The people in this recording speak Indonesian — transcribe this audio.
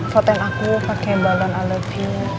fotain aku pake balon i love you